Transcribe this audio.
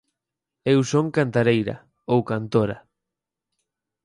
Eu son cantareira, ou cantora.